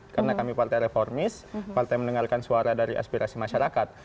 karena kami partai reformis partai mendengarkan suara dari aspirasi masyarakat